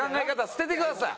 捨ててください。